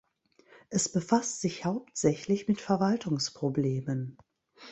Es befasst sich hauptsächlich mit Verwaltungsproblemen.